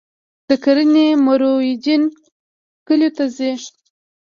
د کرنې مرویجین کلیو ته ځي